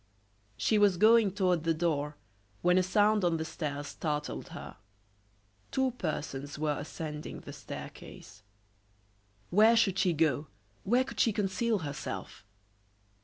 She was going toward the door when a sound on the stairs startled her. Two persons were ascending the staircase. Where should she go? where could she conceal herself?